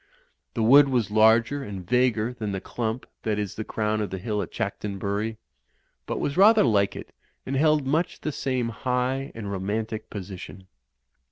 The wood was larger and vaguer than the clump that is the crown of the hill at Chanctonbury, but was rather like it and held much the same high and ro mantic position.